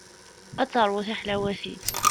Ad teṛwu tiḥlawatin.